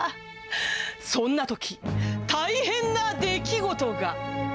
そんなとき、大変な出来事が！